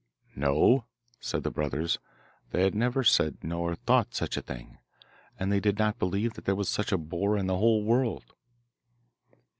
'No,' said the brothers; they had never said nor thought such a thing, and they did not believe that there was such a boar in the whole world.